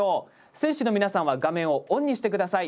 選手の皆さんは画面をオンにして下さい。